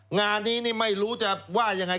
งานนี้นี่ไม่รู้จะว่ายังไง